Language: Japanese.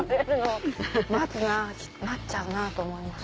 待つなぁ待っちゃうなぁと思います。